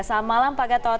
selamat malam pak gatot